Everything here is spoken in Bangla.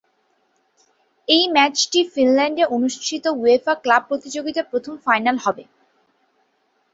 এই ম্যাচটি ফিনল্যান্ডে অনুষ্ঠিত উয়েফা ক্লাব প্রতিযোগিতার প্রথম ফাইনাল হবে।